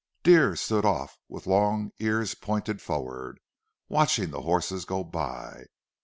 Deer stood off with long ears pointed forward, watching the horses go by.